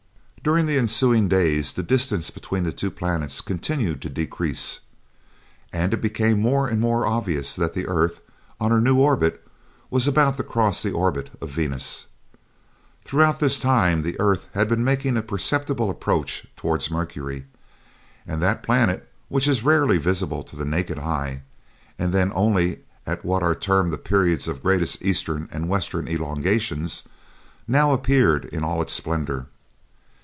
During the ensuing days the distance between the two planets continued to decrease, and it became more and more obvious that the earth, on her new orbit, was about to cross the orbit of Venus. Throughout this time the earth had been making a perceptible approach towards Mercury, and that planet which is rarely visible to the naked eye, and then only at what are termed the periods of its greatest eastern and western elongations now appeared in all its splendor.